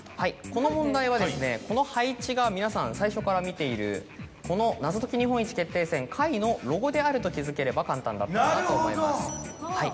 この問題はこの配置が皆さん最初から見ているこの『謎解き日本一決定戦Ｘ』のロゴであると気付ければ簡単だったと思います。